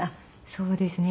そうですね。